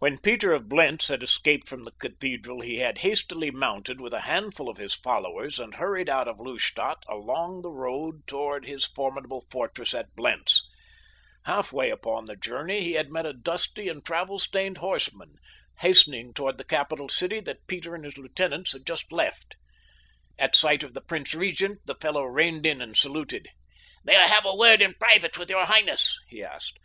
When Peter of Blentz had escaped from the cathedral he had hastily mounted with a handful of his followers and hurried out of Lustadt along the road toward his formidable fortress at Blentz. Half way upon the journey he had met a dusty and travel stained horseman hastening toward the capital city that Peter and his lieutenants had just left. At sight of the prince regent the fellow reined in and saluted. "May I have a word in private with your highness?" he asked.